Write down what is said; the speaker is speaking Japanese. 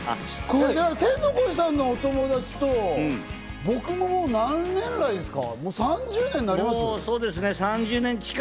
天の声さんのお友達と僕ももう何年来ですか？